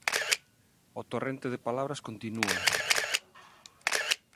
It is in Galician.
O torrente de palabras continúa.